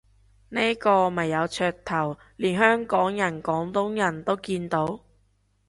呢個咪有噱頭，連香港人廣東人都見到